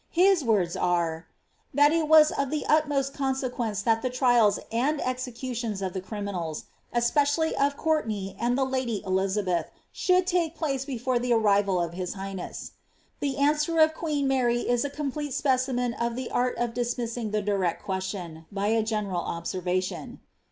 Hie words are,' "that it was of the uimost consequence that the trials antl ejxeviionii of the criminals, especially of Courtenay and the lady Eliz* betli, should take place before the arrival of his highness." The Bn«wer of queen Mary is a complete specimen of the art of dismissing the question direct, by a general observation.